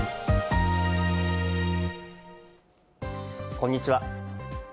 こんにちは。